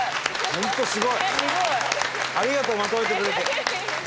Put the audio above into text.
ホントすごい！